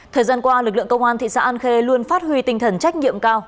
thời gian qua lực lượng công an thị xã an khê luôn phát huy tinh thần trách nhiệm cao